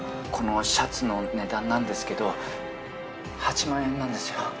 このシャツの値段なんですけど８万円なんですよ。